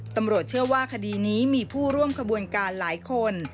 ตำรวจเชื่อว่าคดีนี้มีผู้ร่วมขบวนการหลายคน